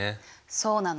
そうなの。